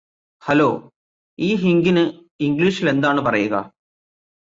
hello ഈ ഹിംഗിന് ഇംഗ്ലീഷിലെന്താണ് പറയുക